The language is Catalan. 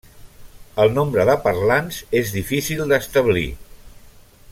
El nombre de parlants és difícil d'establir.